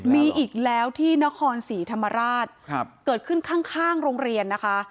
มีอีกแล้วที่นครศรีธรรมราชเกิดขึ้นข้างโรงเรียนนะคะ